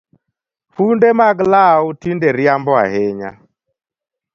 Funde mag law tinde riambo ahinya